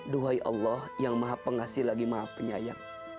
duhai allah yang maha pengasih lagi maha penyayang